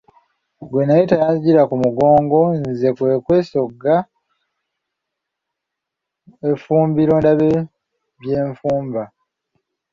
Gwe nayita yanzijira ku mugongo nze kwe kwesogga effumbiro ndabe bye nfumba.